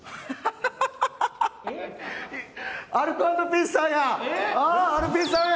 アルコ＆ピースさんや。